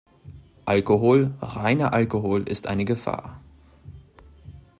Alkohol, reiner Alkohol ist eine Gefahr.